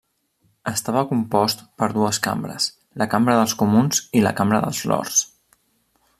Estava compost per dues cambres: la Cambra dels Comuns i la Cambra dels Lords.